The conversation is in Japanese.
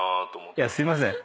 いやすいません。